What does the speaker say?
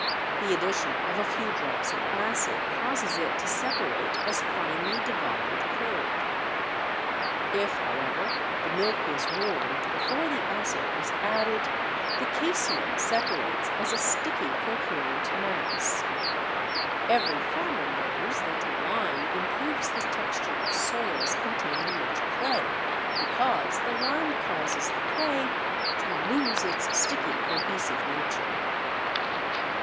The addition of a few drops of acid causes it to separate as finely divided curd. If, however, the milk is warmed before the acid is added the casein separates as a sticky coherent mass. Every farmer knows that lime improves the texture of soils containing much clay, because the lime causes the clay to lose its sticky cohesive nature.